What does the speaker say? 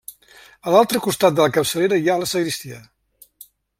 A l’altre costat de la capçalera hi ha la sagristia.